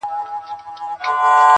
يو تر بله هم په عقل گړندي وه!!